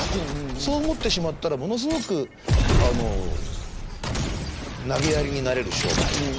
そう思ってしまったらものすごくなげやりになれる商売。